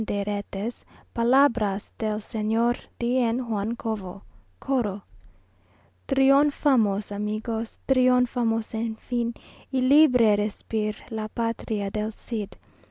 DE RETES; Palabras del Sr. DN. JUAN COVO. CORO. Triunfamos, amigos, Triunfamos enfin, Y libre respir La Patria del Cid.